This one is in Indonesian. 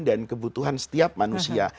dan kebutuhan setiap manusia